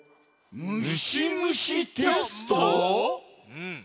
うん。